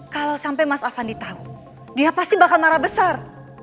kalau sampai mas afandi tahu dia pasti bakal marah besar